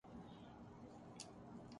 مودی کے ساتھ کیا یہ ممکن ہوگا؟